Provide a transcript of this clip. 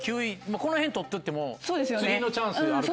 この辺取っとっても次のチャンスあるからね。